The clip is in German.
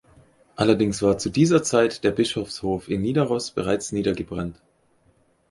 Allerdings war zu dieser Zeit der Bischofshof in Nidaros bereits niedergebrannt.